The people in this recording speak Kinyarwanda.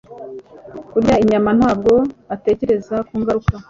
kurya inyama ntabwo atekereza ku ngaruka